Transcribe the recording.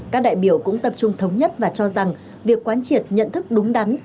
các đại biểu cũng tập trung thống nhất và cho rằng việc quán triệt nhận thức đúng đắn